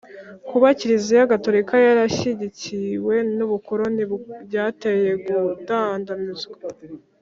kuba kiliziya gatolika yarashyigikiwe n'ubukoloni byateye gukandamizwa